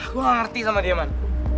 gua gak ngerti sama dia man